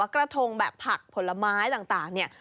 กระทงแบบผักผลไม้ต่างเนี่ย